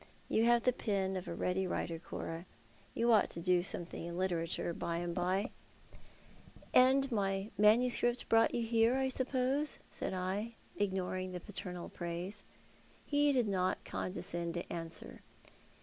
You have the pen of a ready Avriter, Cora. You ought to do something in literature, by and by." " And my manuscript brought yon here, I suppose ?" said I, ignoring the paternal praise. Coraltes Private JoiLrnal. 2 2 '» He did not condescend to answer.